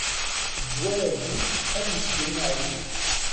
Ddwa-agi ad yesgen aεidiw.